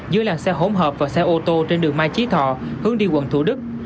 dưới làng xe hỗn hợp và xe ô tô trên đường mai chí thọ hướng đi quận thủ đức